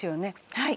はい。